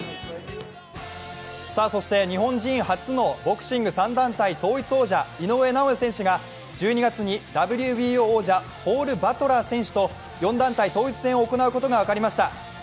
日本人初のボクシング３団体統一王者、井上尚弥選手が１２月にＷＢＯ王者、バトラー選手と４団体統一戦を行うことが分かりました。